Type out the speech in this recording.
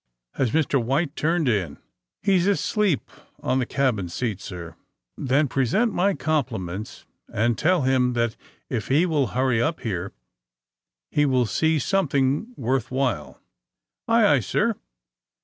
''Has Mr. White turned in?" "He's asleep on a cabin seat, sir." "Then present my compliments and tell him that if he will hurry up here he will see some thing worth while." "Aye, aye, sir."